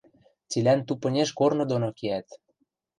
Цилӓн тупынеш корны доно кеӓт...